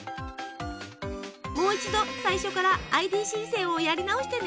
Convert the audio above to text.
もう一度最初からＩＤ申請をやり直してね。